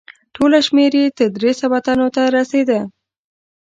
ټوله شمیر یې تر درې سوه تنو ته رسیده.